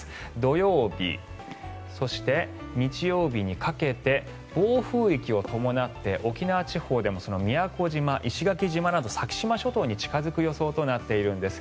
土曜日、そして日曜日にかけて暴風域を伴って沖縄地方でも宮古島、石垣島など先島諸島に近付く予想なんです。